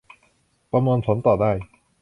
ประมวลผลต่อได้